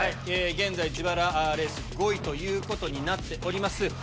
現在自腹レース５位ということになっております。